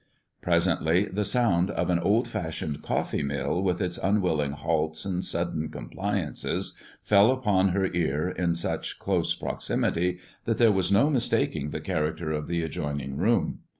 Presently the sound of an old fashioned coffee mill, with its unwilling halts and sudden compliances, fell upon her ear in such close proximity that there was no mistaking the character of the adjoining room.